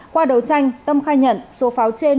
qua đầu tranh tâm khai nhận số pháo trên